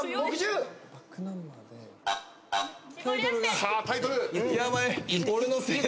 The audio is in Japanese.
さあタイトル。